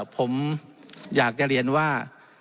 ผมอยากจะเรียนว่า